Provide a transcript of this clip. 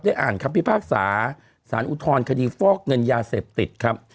อ่านคำพิพากษาสารอุทธรณคดีฟอกเงินยาเสพติดครับ